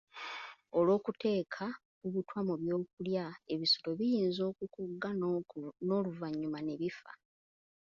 Olw'okuteeka obutwa mu by'okulya, ebisolo biyinza okukogga n'oluvannyuma ne bifa.